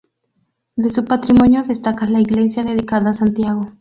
De su patrimonio destaca la iglesia, dedicada a Santiago.